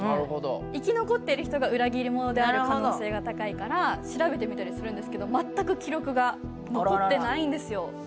生き残っている人が裏切り者の可能性が高いから調べたりするんですけど、全く記録が残っていないんですよ。